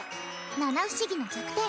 七不思議の弱点